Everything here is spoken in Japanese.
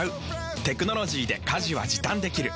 テクノロジーで家事は時短できる。